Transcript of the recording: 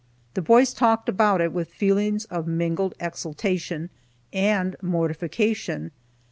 The boys talked about it with feelings of mingled exultation, and mortification.